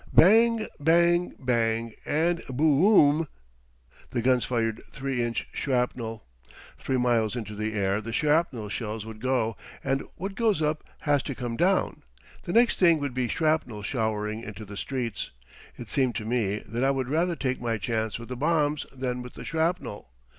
Bang, bang, bang, and Boo oom! The guns fired 3 inch shrapnel. Three miles into the air the shrapnel shells would go! And what goes up has to come down. The next thing would be shrapnel showering into the streets. It seemed to me that I would rather take my chance with the bombs than with the shrapnel.